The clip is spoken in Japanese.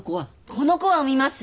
この子は産みます